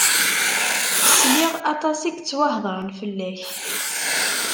Sliɣ aṭas i yettwahedren fell-ak.